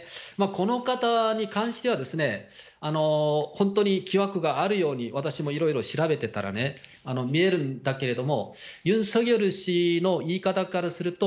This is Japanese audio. この方に関しては、本当に疑惑があるように、私もいろいろ調べてたらね、見えるんだけれども、ユン・ソギョル氏の言い方からすると、